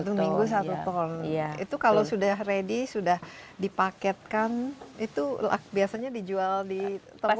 satu minggu satu ton itu kalau sudah ready sudah dipaketkan itu biasanya dijual di tempat